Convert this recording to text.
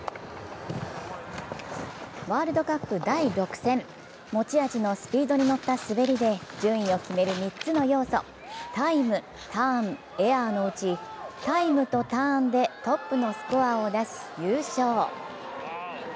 ワールドカップ第６戦、持ち味のスピードにのった滑りで順位を決める３つの要素、タイム、ターン、エアーのうちタイムとターンでトップのスコアを出し優勝。